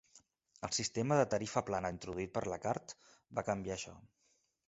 El sistema de tarifa plana introduït per la Carte va canviar això.